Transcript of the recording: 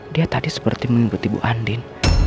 dia tadi seperti mengikut ibu andin